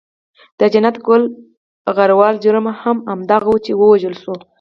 د جنت ګل غروال جرم هم همدغه وو چې و وژل شو.